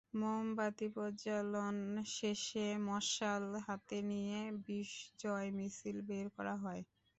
মোমবাতি প্রজ্বালন শেষে মশাল হাতে নিয়ে বিজয় মিছিল বের করা হয়।